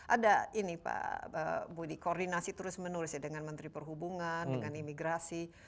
ada ini pak budi koordinasi terus menerus ya dengan menteri perhubungan dengan imigrasi